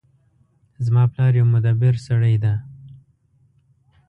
زما پلار یو مدبر سړی ده